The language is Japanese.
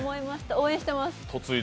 応援してます。